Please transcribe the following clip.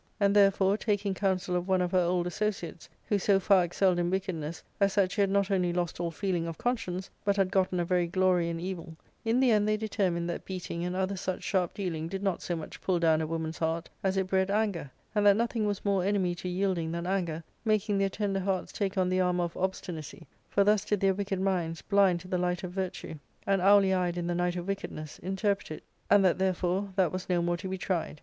And, therefore, taking counsel of one of her old associates, who so far excelled in wickedness as that she had not only lost all feeling of con science, but had gotten a very glory in evil, in the end they determined that beating and other such sharp dealing did not so much pull down a woman's heart as it bred anger, and that nothing was more enemy to yielding than anger, making their tender hearts take on the armour of obstinacy — ^for thus did their wicked minds, blind to the light of virtue, and ARCADIA.—Book IIL 339 owly eyed in the night of wickedness, interpret it — and that therefore that was no more to be tried.